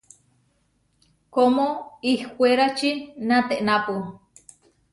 Kómo ihkwérači naténapu.